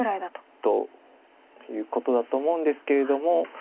ということだと思うんですけれども。